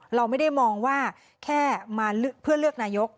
เราไม่ได้มองว่าแค่มาเพื่อเลือกนายก